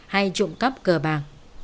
hãy trụng cấp cờ bảng